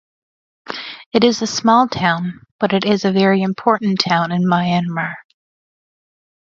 It is a small town but it is a very important town in Myanmar.